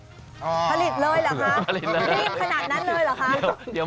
ผลิตเลยเหรอคะรีบขนาดนั้นเลยเหรอคะ